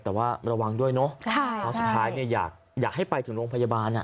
แต่ว่าระวังด้วยเนอะเพราะสุดท้ายเนี่ยอยากให้ไปถึงโรงพยาบาล